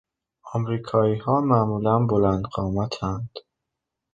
امریکاییها معمولا بلند قامتاند.